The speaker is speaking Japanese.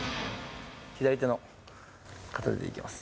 左手の片手でいきます。